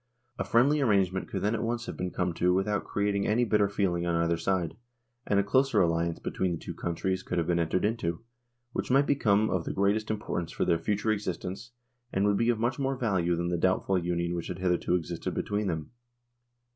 A friendly arrangement could then at once have been come to without creating any bitter ' feeling on either side, and a closer alliance between the two countries could have been entered into, which might become of the greatest importance for their future existence and would be of much more value than the doubtful Union that had hitherto existed between them.